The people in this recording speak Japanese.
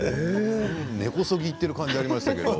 根こそぎいってる感じがありましたけど。